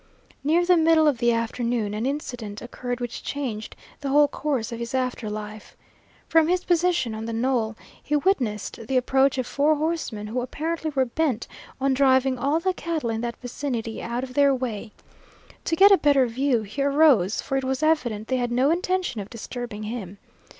Near the middle of the afternoon an incident occurred which changed the whole course of his after life. From his position on the knoll he witnessed the approach of four horsemen who apparently were bent on driving all the cattle in that vicinity out of their way. To get a better view he arose, for it was evident they had no intention of disturbing him.